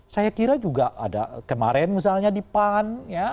saya kira juga ada kemarin misalnya di pan